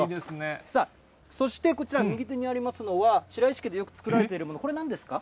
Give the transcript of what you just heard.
さあ、そしてこちら、右手にありますのは、白石家でよく作られているもの、これ、なんですか？